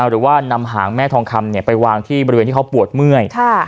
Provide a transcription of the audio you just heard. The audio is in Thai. หรือว่านำหางแม่ทองคำไปวางที่บริเวณที่เขาปวดเมื่อย